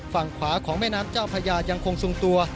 ฝั่งขวาของแม่น้ำเจ้าพญายังคงทรงตัว